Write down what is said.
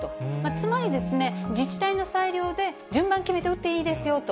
つまり、自治体の裁量で順番決めて打っていいですよと。